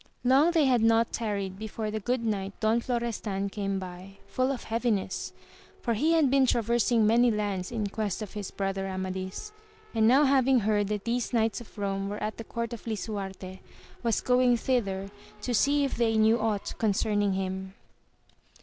Long they had not tarried before the good knight Don Flo restan came by,, full of heaviness, for he had been traversing many lands in quest of his brother Amadis, and now having heard that these knights of Eome were at the court of Lisuarte was going thither to see if they knew aught concerning him.